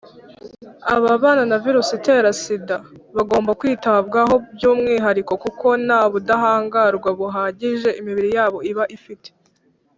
ababana na virusi itera sida babagomba kwitabwaho byumwihariko kuko ntabudahangarwa buhagije imibiri yabo iba ifite.